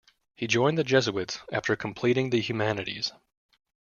He joined the Jesuits after completing the 'Humanities'.